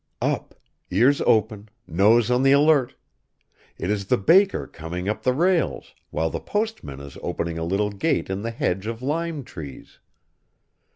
Up, ears open; nose on the alert!... It is the baker coming up to the rails, while the postman is opening a little gate in the hedge of lime trees.